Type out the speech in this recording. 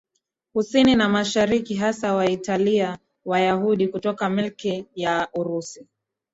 Kusini na Mashariki hasa Waitalia Wayahudi kutoka Milki ya Urusi